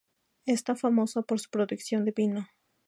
Es famosa por su producción de vino.